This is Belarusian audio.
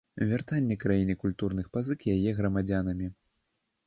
Вяртанне краіне культурных пазык яе грамадзянамі.